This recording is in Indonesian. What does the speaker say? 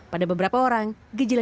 pada beberapa orang gejilannya diberikan